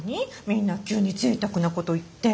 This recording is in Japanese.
みんな急にぜいたくなこと言って。